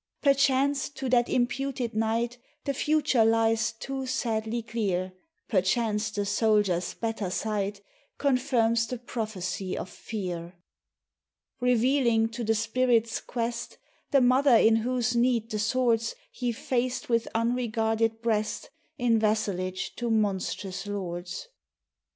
5 erchance, to that imputed night The future lies too sadly clear; J erchance the soldier's better sight Confirms the Prophecy of Fear, evealing, to the spirit's quest, The Mother in whose need the swords He faced with unregarded breast, In vassalage to monstrous lords.